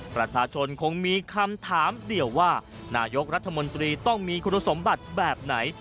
ประชาชนคงมีคำถามเดียวว่านายกรัฐมนตรีต้องมีคุณสมบัติแบบไหน